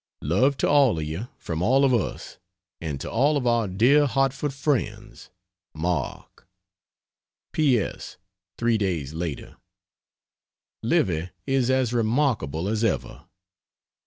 Love to all of you from all of us. And to all of our dear Hartford friends. MARK P. S. 3 days later. Livy is as remarkable as ever.